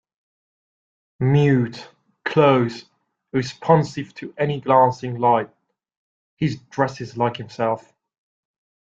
Mute, close, irresponsive to any glancing light, his dress is like himself.